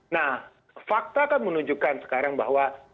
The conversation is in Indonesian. nah fakta kan menunjukkan sekarang bahwa